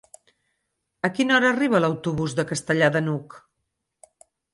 A quina hora arriba l'autobús de Castellar de n'Hug?